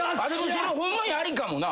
それホンマにありかもな。